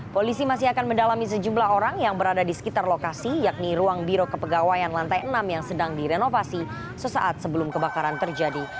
polisi masih akan mendalami sejumlah orang yang berada di sekitar lokasi yakni ruang biro kepegawaian lantai enam yang sedang direnovasi sesaat sebelum kebakaran terjadi